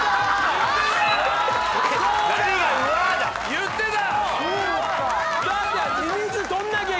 言ってた！